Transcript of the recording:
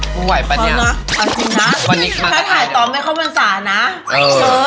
มึงไหวป่ะเนี่ยเอาจริงนะถ้าถ่ายต่อไม่เข้าเป็นศาลนะเจอ